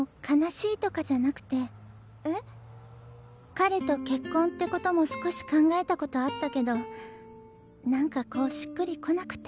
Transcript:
彼と結婚ってことも少し考えたことあったけど何かこうしっくり来なくて。